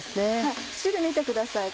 汁見てください。